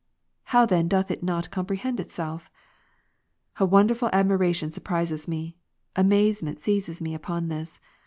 how then doth it not comprehend itself? A wonderful admiration surprises me, amazement seizes me upon this.